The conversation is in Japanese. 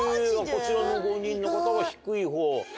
こちらの５人の方は低いほう。